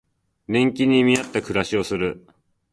年金に見合った暮らしをする